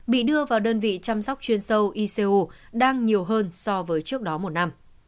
bị đưa vào đơn vị chăm sóc chuyên sâu icu đang nhiều hơn so với trước đó một năm